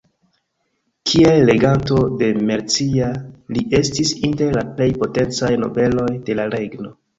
Kiel reganto de Mercia, li estis inter la plej potencaj nobeloj de la regno.